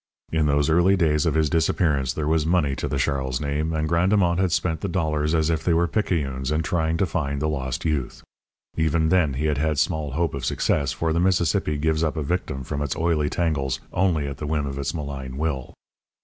In those early days of his disappearance there was money to the Charles name, and Grandemont had spent the dollars as if they were picayunes in trying to find the lost youth. Even then he had had small hope of success, for the Mississippi gives up a victim from its oily tangles only at the whim of its malign will.